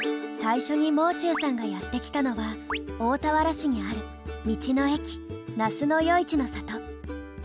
最初にもう中さんがやって来たのは大田原市にある道の駅那須与一の郷。